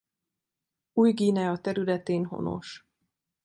Új-Guinea területén honos.